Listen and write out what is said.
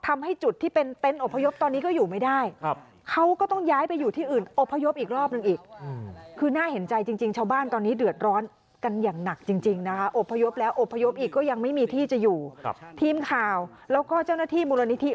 ไม่มีที่จะอยู่ครับทีมข่าวแล้วก็เจ้าหน้าที่มูลนิธิ